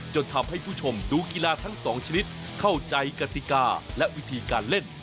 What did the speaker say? จนทำให้ผู้ชมดูกีฬาทั้งสองชนิดเข้าใจกติกาและวิธีการเล่น